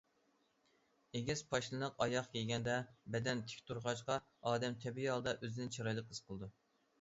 ئېگىز پاشنىلىق ئاياغ كىيگەندە، بەدەن تىك تۇرغاچقا، ئادەم تەبىئىي ھالدا ئۆزىنى چىرايلىق ھېس قىلىدۇ.